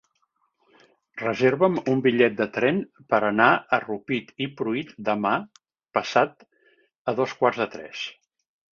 Reserva'm un bitllet de tren per anar a Rupit i Pruit demà passat a dos quarts de tres.